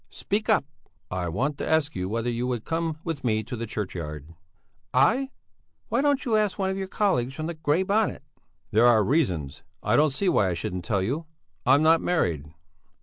Speak up!" "I want to ask you whether you would come with me to the churchyard." "I? Why don't you ask one of your colleagues from the Grey Bonnet?" "There are reasons. I don't see why I shouldn't tell you. I'm not married."